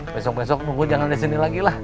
besok besok buku jangan disini lagi lah